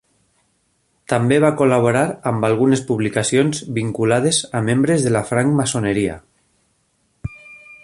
També va col·laborar amb algunes publicacions vinculades a membres de la francmaçoneria.